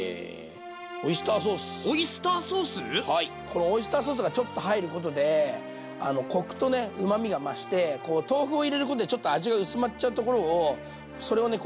このオイスターソースがちょっと入ることでコクとねうまみが増して豆腐を入れることでちょっと味が薄まっちゃうところをそれをね